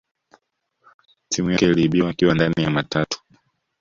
Simu yake iliibiwa akiwa ndani ya matatu